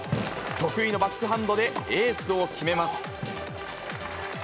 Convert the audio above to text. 得意のバックハンドでエースを決めます。